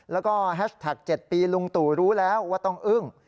แล้วก็แฮชแท็ก๗ปีลุงตู่รู้แล้วว่าต้องอึ้ง